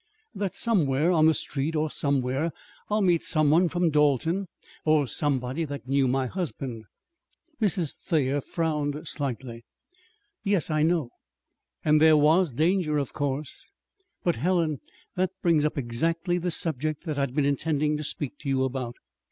"That somewhere on the street, or somewhere I'll meet some one from Dalton, or somebody that knew my husband." Mrs. Thayer frowned slightly. "Yes, I know. And there was danger, of course! But Helen, that brings up exactly the subject that I'd been intending to speak to you about.